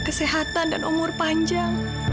kesehatan dan umur panjang